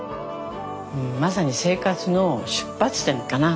まさに生活の出発点かな。